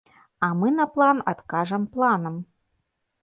А мы на план адкажам планам.